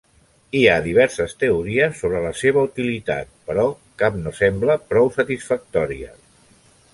Hi ha diverses teories sobre la seva utilitat, però cap no sembla prou satisfactòria.